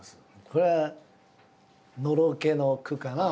これはのろけの句かな？